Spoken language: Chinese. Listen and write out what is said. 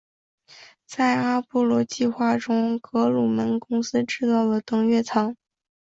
在阿波罗计划中格鲁门公司制造了登月舱。